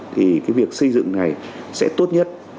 thì cái việc xây dựng này sẽ tốt nhất